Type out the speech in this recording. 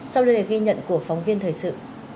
sau đây là ghi nhận của phóng viên thời sự